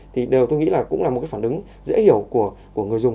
thì đều tôi nghĩ là cũng là một cái phản ứng dễ hiểu của người dùng